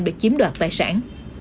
để chiếm đoạt tài sản